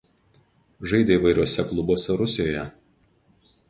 Žaidė įvairiuose klubuose Rusijoje.